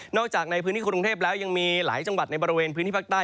จากในพื้นที่กรุงเทพแล้วยังมีหลายจังหวัดในบริเวณพื้นที่ภาคใต้